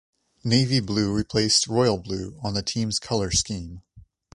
Navy blue replaced royal blue on the team's color scheme.